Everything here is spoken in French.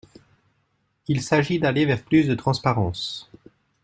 Il s’agit d’aller vers plus de transparence.